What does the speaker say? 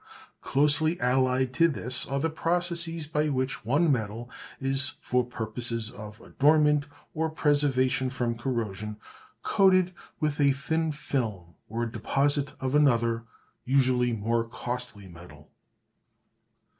Closely allied to this are the processes by which one metal is, for purposes of adornment or preservation from corrosion, coated with a thin film or deposit of another, usually more costly, metal.